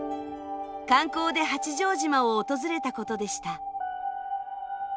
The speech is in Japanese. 観光で八丈島を訪れたことでした。